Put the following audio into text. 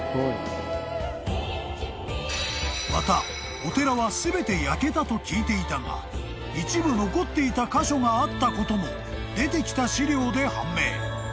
［またお寺は全て焼けたと聞いていたが一部残っていた箇所があったことも出てきた資料で判明］